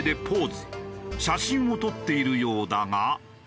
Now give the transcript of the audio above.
写真を撮っているようだが。